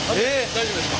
大丈夫ですか？